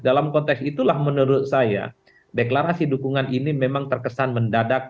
dalam konteks itulah menurut saya deklarasi dukungan ini memang terkesan mendadak